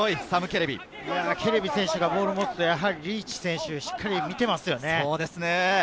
ケレビ選手がボールを持つとリーチ選手、しっかり見ていますよね。